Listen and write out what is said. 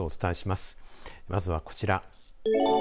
まずは、こちら。